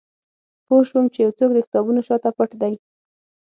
پوه شوم چې یو څوک د کتابونو شاته پټ دی